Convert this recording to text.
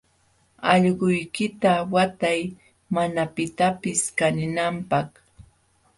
Allquykita watay mana pitapis kaninanpaq.